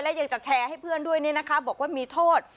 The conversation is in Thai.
และยังจะแชร์ให้เพื่อนด้วยบอกว่ามีโทษ